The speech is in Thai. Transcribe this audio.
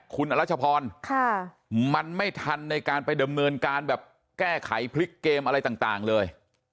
คุณอรัชพรมันไม่ทันในการไปดำเนินการแบบแก้ไขพลิกเกมอะไรต่างเลย